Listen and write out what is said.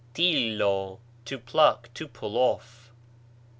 τίλλω, to pluck, to pull off.